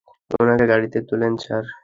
উনাকে গাড়িতে তুলেন, স্যার।